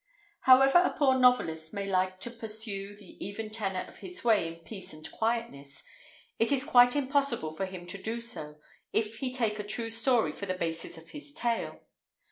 However a poor novelist may like to pursue the even tenor of his way in peace and quietness, it is quite impossible for him to do so if he take a true story for the basis of his tale.